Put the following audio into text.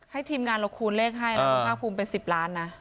ให้ทีมงานเราคูณเลขให้เราก็เอาคูณเป็น๑๐ล้านน่ะ